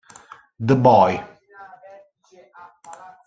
The Boy